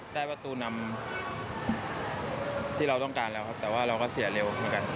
ได้ประตูนำที่เราต้องการแล้วครับแต่ว่าเราก็เสียเร็วเหมือนกัน